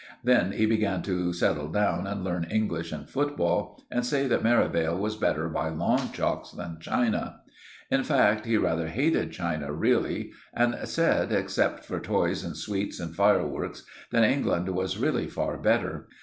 Then he began to settle down and learn English and football, and say that Merivale was better by long chalks than China. In fact, he rather hated China really, and said, except for toys and sweets and fireworks, that England was really far better.